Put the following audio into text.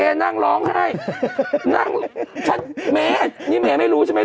นั่งร้องไห้นั่งฉันเมอันนี้เมย์ไม่รู้ใช่ไหม